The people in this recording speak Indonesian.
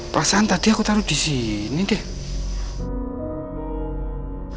perasaan tadi aku taruh di sini deh